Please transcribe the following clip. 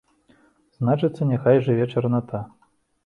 Значыцца, няхай жыве чарната!